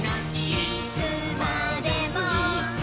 いつまでも。